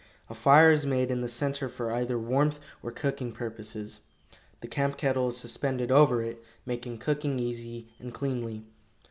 A fire is made in the center for either warmth or cooking purposes. The camp kettle is suspended over it, making cooking easy and cleanly.